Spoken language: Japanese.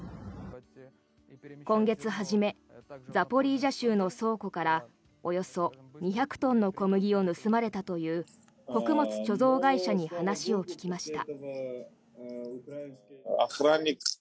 今月初めザポリージャ州の倉庫からおよそ２００トンの小麦を盗まれたという穀物貯蔵会社に話を聞きました。